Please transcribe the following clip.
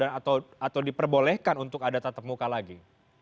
atau diperbolehkan untuk ada tatap muka lagi